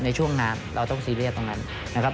ในช่วงงานเราต้องซีเรียสตรงนั้นนะครับ